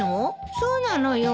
そうなのよ。